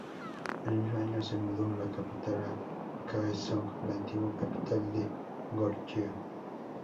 El mismo año se mudó la capital a Kaesong, la antigua capital de Goryeo.